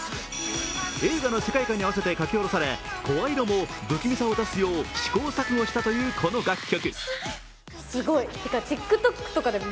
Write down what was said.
映画の世界観に合わせて書き下ろされ声色も不気味さを出すよう試行錯誤したというこの楽曲。